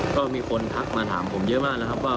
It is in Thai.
ก็มีคนทักมาถามผมเยอะมากนะครับว่า